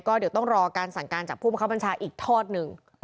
ก็เดี๋ยวต้องรอการสั่งการจากผู้บังคับบัญชาอีกทอดหนึ่ง